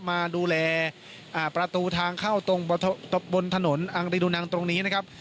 มาดูแลประตูทางเข้าตรงบนถนนอังรีดูนังตรงนี้นะครับ